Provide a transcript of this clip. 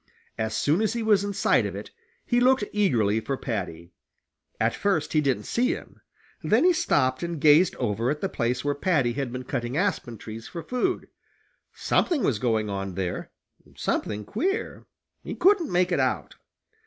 As soon as he was in sight of it, he looked eagerly for Paddy. At first he didn't see him. Then he stopped and gazed over at the place where Paddy had been cutting aspen trees for food. Something was going on there, something queer. He couldn't make it out.